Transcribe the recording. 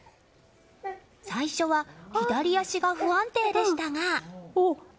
最初は左足が不安定でしたが。